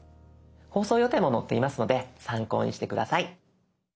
放送予定も載っていますので参考にして下さい。